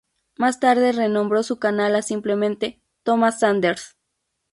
Más tarde renombró su canal a simplemente "Thomas Sanders".